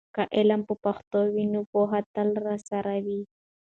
که علم په پښتو وي، نو پوهه تل راسره وي.